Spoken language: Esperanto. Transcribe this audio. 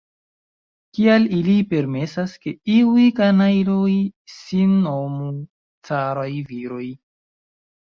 Kial ili permesas, ke iuj kanajloj sin nomu caraj viroj?